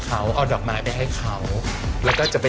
ลูกค้าผู้หญิงนี้เยอะมาก